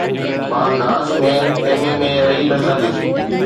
مان گھاس ۾ خيمي ۾ رهي نه سگهيس